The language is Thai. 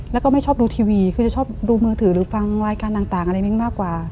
แล้วก็ไม่ชอบดูทีวีคือจะชอบดูมือถือหรือฟังรายการต่างอะไรมิ้งมากกว่า